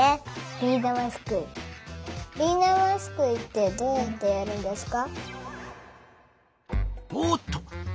ビーだますくいってどうやってやるんですか？